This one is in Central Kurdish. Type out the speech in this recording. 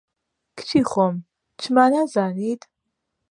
کچی خۆم، چما نازانیت